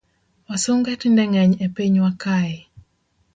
Wasunge tinde ngeny e pinywa kae